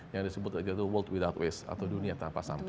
yang disebut world without waste atau dunia tanpa sampah